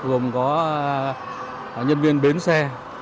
gồm có nhân viên bến xe